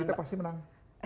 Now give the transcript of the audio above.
jadi kita pasti menang